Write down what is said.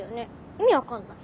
意味分かんない。